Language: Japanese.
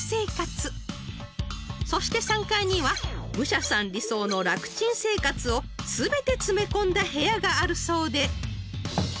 ［そして３階には武者さん理想の楽ちん生活を全て詰め込んだ部屋があるそうで］